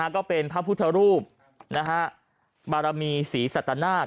ก็เป็นพระพุทธรูปบารมีศรีสัตนาศ